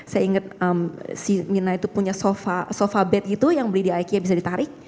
saya ingat si mirna itu punya sofa bed gitu yang beli di iqa bisa ditarik